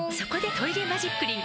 「トイレマジックリン」